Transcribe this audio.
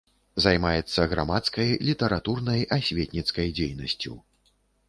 Займаецца грамадскай, літаратурнай, асветніцкай дзейнасцю.